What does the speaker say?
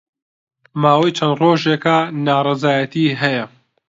ماوەی چەند ڕۆژێکە ناڕەزایەتی ھەیە